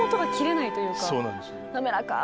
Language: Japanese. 滑らかな。